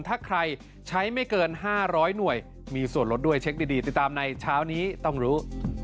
ถ้าใครใช้ไม่เกิน๕๐๐หน่วยมีส่วนลดด้วยเช็คดีติดตามในเช้านี้ต้องรู้